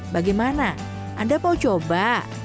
bagaimana anda mau coba